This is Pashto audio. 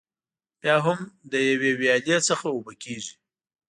بیا هم له یوې ویالې څخه اوبه کېږي.